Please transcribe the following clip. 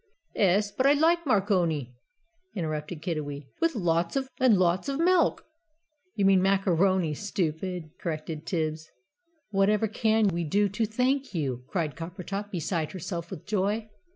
"'Es, but I like marconi!" interrupted Kiddiwee, "with lots and lots of milk!" "You mean macaroni, stupid!" corrected Tibbs. "Whatever CAN we do to thank you?" cried Coppertop, beside herself with joy.